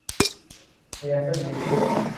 ریاست نئی تھی۔